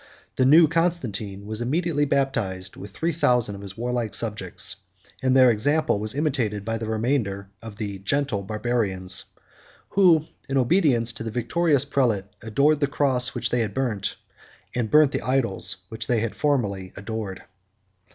29 The new Constantine was immediately baptized, with three thousand of his warlike subjects; and their example was imitated by the remainder of the gentle Barbarians, who, in obedience to the victorious prelate, adored the cross which they had burnt, and burnt the idols which they had formerly adored.